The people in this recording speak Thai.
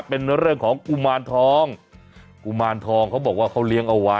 เป็นเรื่องของกุมารทองกุมารทองเขาบอกว่าเขาเลี้ยงเอาไว้